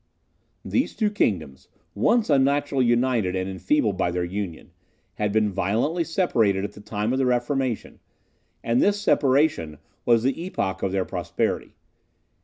These two kingdoms, once unnaturally united and enfeebled by their union, had been violently separated at the time of the Reformation, and this separation was the epoch of their prosperity.